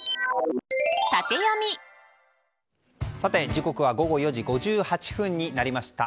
時刻は午後４時５８分になりました。